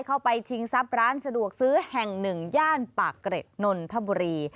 ชิงทรัพย์ร้านสะดวกซื้อแห่งหนึ่งย่านปากเกร็ดนนทบุรี